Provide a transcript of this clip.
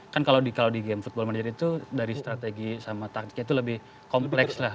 kan kalau di game football manager itu dari strategi sama taktiknya itu lebih kompleks lah